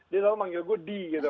dia selalu manggil gue d gitu